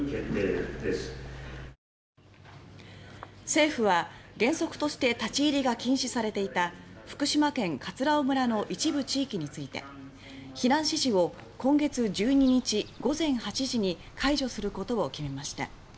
政府は原則として立ち入りが禁止されていた福島県葛尾村の一部地域について避難指示を今月１２日午前８時に解除することを決めました。